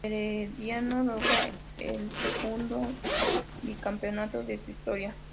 Herediano logra el segundo bicampeonato de su historia.